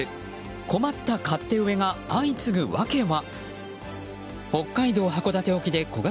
困った勝手植えが相次ぐ訳は？